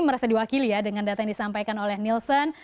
merasa diwakili ya dengan data yang disampaikan oleh nielsen